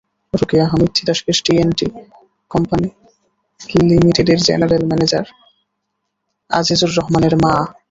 Rokeya Hamid Titas gas T and D company লিমিটেডের general manager Azizur রহমানের মা।